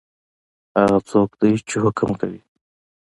هغه څوک دی چی حکم کوي؟